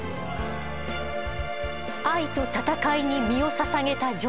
愛と戦いに身をささげた女王。